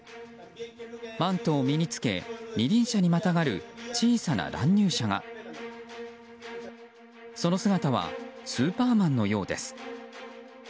マントを身に着け二輪車にまたがる小さな乱入者がその姿はスーパーマンのようです。